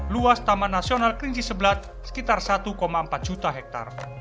luas taman nasional kerinci sebelat sekitar satu empat juta hektare